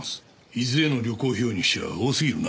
伊豆への旅行費用にしては多すぎるな。